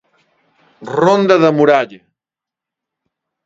Ronda da Muralla.